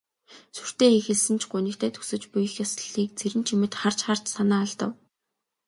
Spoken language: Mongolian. Сүртэй эхэлсэн ч гунигтай төгсөж буй их ёслолыг Цэрэнчимэд харж харж санаа алдав.